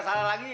ini bulky tangan